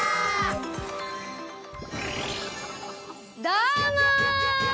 どうも！